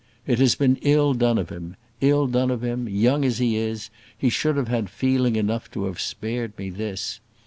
"It has been ill done of him; ill done of him: young as he is, he should have had feeling enough to have spared me this.